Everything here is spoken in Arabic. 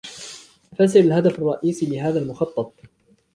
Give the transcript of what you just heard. فسر الهدف الرئيسي لهذا المخطط